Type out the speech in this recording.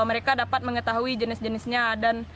mereka dapat mengetahui jenis jenisnya dan